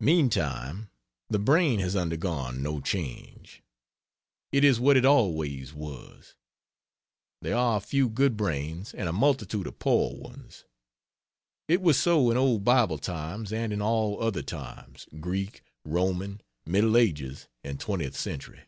Meantime, the brain has undergone no change. It is what it always was. There are a few good brains and a multitude of poor ones. It was so in Old Bible times and in all other times Greek, Roman, Middle Ages and Twentieth Century.